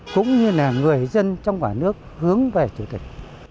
cũng như là người dân trong cả nước hướng về chủ tịch